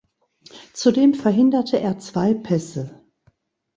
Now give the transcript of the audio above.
Zudem verhinderte er zwei Pässe.